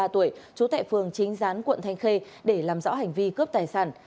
ba mươi ba tuổi chú tệ phường chính gián quận thanh khê để làm rõ hành vi cướp tài sản